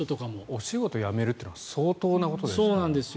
お仕事を辞めるというのは相当なことです。